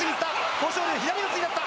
豊昇龍、左四つになった。